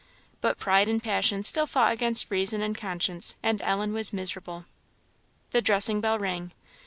But pride and passion still fought against reason and conscience, and Ellen was miserable. The dressing bell rang.